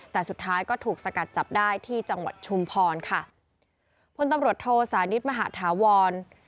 แต่สุดท้ายก็ถูกสกัดจับได้ที่จังหวัดชุมพรค่ะพลตำรวจโทสานิทมหาธาวร